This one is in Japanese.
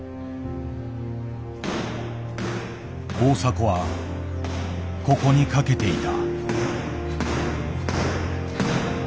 大迫はここにかけていた。